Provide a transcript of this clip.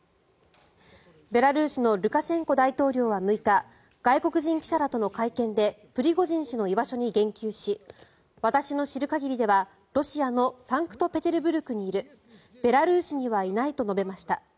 ベラルーシのルカシェンコ大統領は６日外国人記者らとの会見でプリゴジン氏の居場所に言及し私の知る限りではロシアのサンクトペテルブルクにいるベラルーシにはいないと述べました。